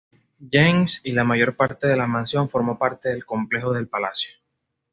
James y la mayor parte de la mansión formó parte del complejo del palacio.